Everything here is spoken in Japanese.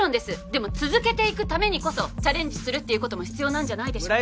でも続けていくためにこそチャレンジするっていうことも必要なんじゃないでしょうか。